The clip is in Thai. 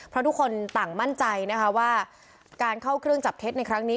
เพราะทุกคนต่างมั่นใจนะคะว่าการเข้าเครื่องจับเท็จในครั้งนี้